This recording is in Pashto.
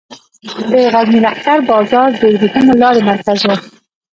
د غزني لښکر بازار د ورېښمو لارې مرکز و